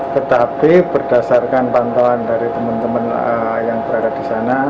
tetapi berdasarkan pantauan dari teman teman yang berada di sana